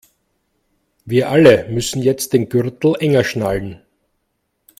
Wir alle müssen jetzt den Gürtel enger schnallen.